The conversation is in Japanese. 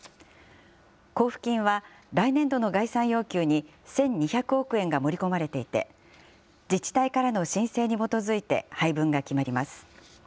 交付金は、来年度の概算要求に１２００億円が盛り込まれていて、自治体からの申請に基づいて配分が決まります。